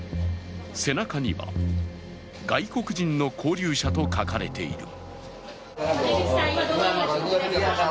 背中には、外国人の勾留者と書かれている。